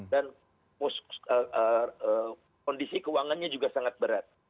dan kondisi kewangannya juga sangat berat